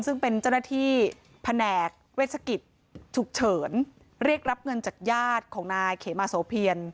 ซึ่งเป็นเจ้าหน้าที่แผนกเวชกิจฉุกเฉินเรียกรับเงินจากญาติของนายเขมาโสเพียร